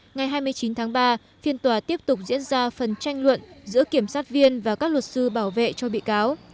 ngày hai mươi chín tháng ba phiên tòa tiếp tục diễn ra phần tranh luận giữa kiểm sát viên và các luật sư bảo vệ cho bị cáo